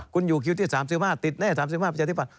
คุณอยู่คิวที่๓๕ติดแน่๓๕ประชาธิบัต